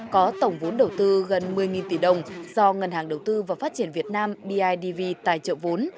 có tổng vốn đầu tư gần một mươi tỷ đồng do ngân hàng đầu tư và phát triển việt nam bidv tài trợ vốn